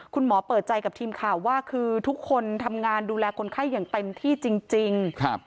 คุณหมอเปิดใจกับทีมข่าวว่าคือทุกคนทำงานดูแลคนไข้อย่างเต็มที่จริง